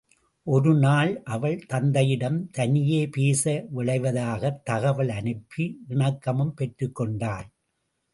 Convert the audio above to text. ஒரு நாள், அவள் தந்தையிடம் தனியே பேச விழைவதாகத் தகவல் அனுப்பி இணக்கமும் பெற்றுக்கொண்டாள்.